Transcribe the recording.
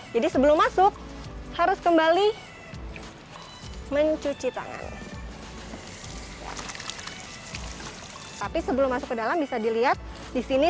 jadi sebelum masuk harus kembali mencuci tangan tapi sebelum masuk ke dalam bisa dilihat di sini